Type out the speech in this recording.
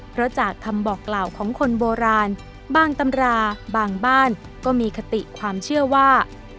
เพราะจากคำบอกกล่าวของคนโบราณบางตำราบางบ้านก็มีคติความเชื่อว่า